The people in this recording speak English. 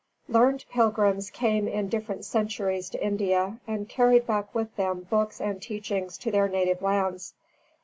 Learned pilgrims came in different centuries to India and carried back with them books and teachings to their native lands.